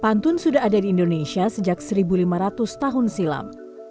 pantun sudah ada di indonesia sejak seribu lima ratus tahun silam